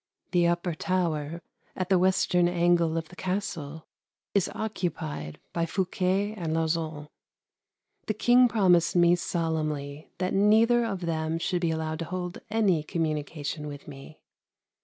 The upper tower, at the western angle of the Castle, is occupied by Fouquet and Lauzun. The King promised me solemnly that neither of them should be allowed to hold any communication with me.